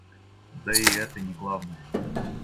Да и это не главное.